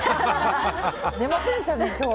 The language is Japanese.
出ませんでしたね、今日。